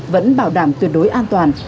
vẫn bảo đảm tuyệt đối an toàn